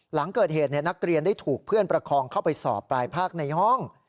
หลังเกิดเหตุนักเรียนได้ถูกเพื่อนประคองเข้าไปสอบปลายภาคในห้อง